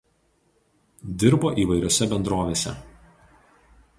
Dirbo įvairiose bendrovėse.